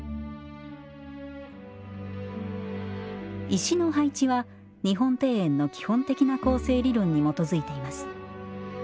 石の配置は日本庭園の基本的な構成理論に基づいています